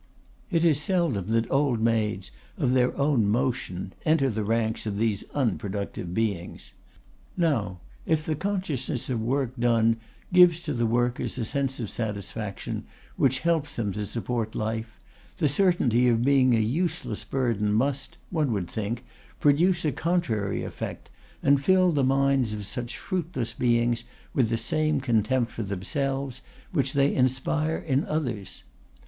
It is seldom that old maids of their own motion enter the ranks of these unproductive beings. Now, if the consciousness of work done gives to the workers a sense of satisfaction which helps them to support life, the certainty of being a useless burden must, one would think, produce a contrary effect, and fill the minds of such fruitless beings with the same contempt for themselves which they inspire in others.